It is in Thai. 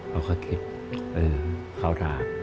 เอาค่ะคิดเออเข้าทาง